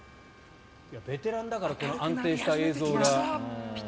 ベテランだから安定した映像が。